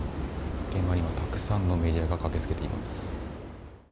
現場にはたくさんのメディアが駆けつけています。